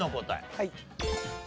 はい。